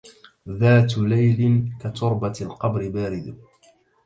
ذات ليل كتربة القبر بارد